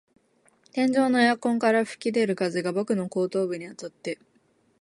天井のエアコンから吹き出る風が僕の後頭部にあたって、